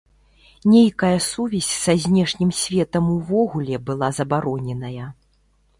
Нейкая сувязь са знешнім светам увогуле была забароненая.